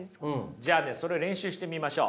じゃあねそれを練習してみましょう。